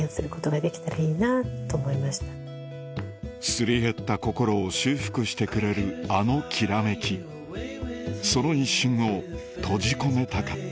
すり減った心を修復してくれるあのきらめきその一瞬を閉じ込めたかった